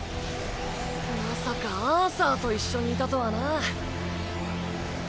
まさかアーサーと一緒にいたとはな。